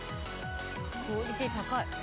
「クオリティー高い」